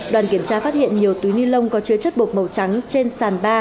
đoàn kiểm tra phát hiện nhiều túi ni lông có chứa chất bột màu trắng trên sàn ba